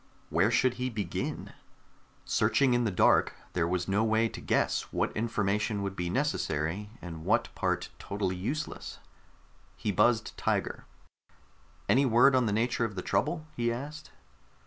Where should he begin? Searching in the dark, there was no way to guess what information would be necessary and what part totally useless. He buzzed Tiger. "Any word on the nature of the trouble?" he asked.